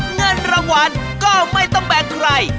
เงินรางวัลก็ไม่ต้องแบ่งใคร